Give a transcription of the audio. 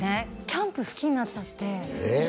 キャンプ好きになっちゃってええ？